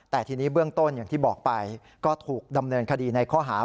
แต่ทีนี้เบื้องต้นอย่างที่บอกไปก็ถูกดำเนินคดีในข้อหา